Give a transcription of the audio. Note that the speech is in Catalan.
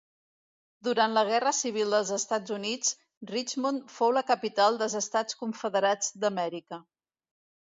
Durant la Guerra Civil dels Estats Units Richmond fou la capital dels Estats Confederats d'Amèrica.